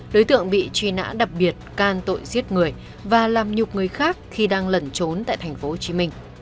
đối tượng bị truy nã đặc biệt can tội giết người và làm nhục người khác khi đang lẩn trốn tại tp hcm